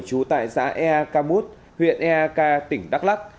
chú tại xã eaki huyện eaki tỉnh đắk lắc